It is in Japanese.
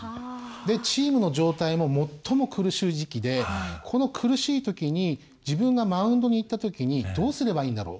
でチームの状態も最も苦しい時期でこの苦しいときに自分がマウンドに行ったときにどうすればいいんだろう。